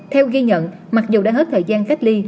theo ghi nhận mặc dù đang hết thời gian cách ly